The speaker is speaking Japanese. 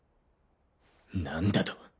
何だと？